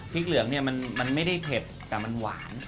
พริกเหลืองมันไม่ได้เผ็ดแต่มันหวาน